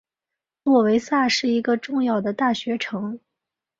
诺维萨是一个重要的大学城。